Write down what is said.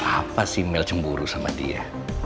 apa sih mail cemburu sama dia